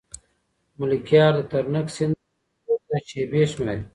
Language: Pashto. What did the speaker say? ملکیار د ترنک سیند وچېدو ته شېبې شماري.